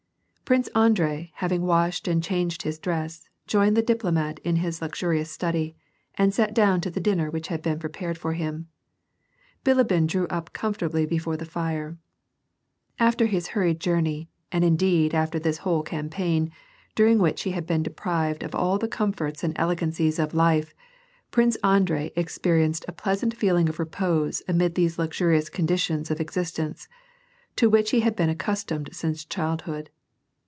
Prince Andrei having washed and changed his dress, joined the diplomat in his luxurious study, and sat down to the dinner which had been prepared for him. Bilibin drew up comfortably before the fire. After his hurried journey and indeed after this whole cam paign, during which he had been deprived of all the comforts and elegancies of life, Prince Andrei experienced a pleasant feeling of repwDse amid these luxurious conditions of existence, to which he had been aex^ustomed since childhood.